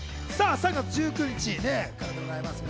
３月１９日からでございますね。